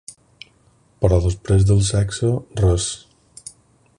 Però després del sexe, res.